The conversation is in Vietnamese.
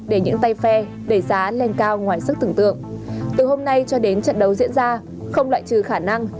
để những tay phe đẩy giá lên cao ngoài sức tưởng tượng từ hôm nay cho đến trận đấu diễn ra không loại trừ khả năng